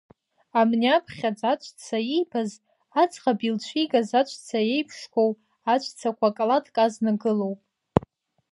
Амни аԥхьаӡа аҵәца иибаз аӡӷаб илцәигаз аҵәца еиԥшқәоу аҵәцақәа калаҭк азна гылоуп.